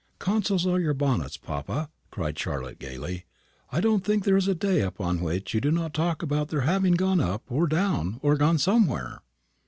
"Consols are your 'bonnets,' papa," cried Charlotte, gaily; "I don't think there is a day upon which you do not talk about their having gone up, or gone down, or gone somewhere."